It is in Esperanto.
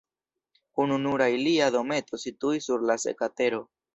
Ununura ilia dometo situis sur la seka tero.